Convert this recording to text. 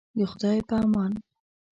د خدای په امان.